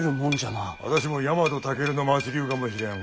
私もヤマトタケルの末流かもしれん。